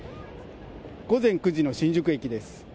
午前９時の新宿駅です。